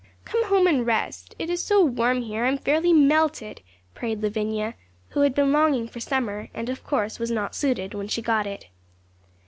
'Come home and rest. It is so warm here I am fairly melted,' prayed Lavinia, who had been longing for summer, and of course was not suited when she got it.